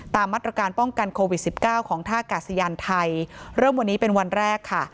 ตามมาตรการป้องกันโควิด๑๙ของท่ากาศยานไทยเริ่มวันนี้เป็นวันแรกค่ะ